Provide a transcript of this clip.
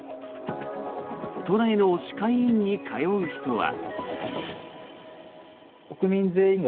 都内の歯科医院に通う人は。